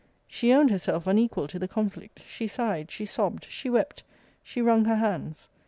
She owned herself unequal to the conflict. She sighed. She sobbed. She wept. She wrung her hands.